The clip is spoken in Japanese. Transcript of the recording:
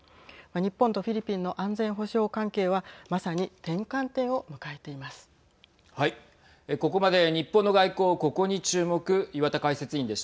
日本とフィリピンの安全保障関係はまさに転換点を迎えています。